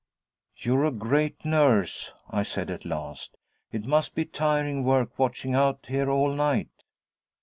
'You're a great nurse!' I said at last. 'It must be tiring work, watching out here all night.'